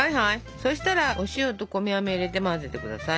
そしたらお塩と米あめ入れて混ぜてください。